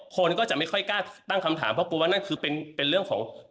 คนก็จะไม่ค่อยกล้าตั้งคำถามเพราะกลัวว่านั่นคือเป็นเรื่องของ